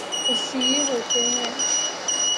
اسیر ہوتے ہیں